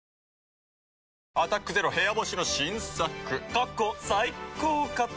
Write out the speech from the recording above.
過去最高かと。